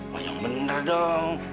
wah yang bener dong